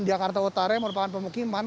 jakarta utara merupakan pemukiman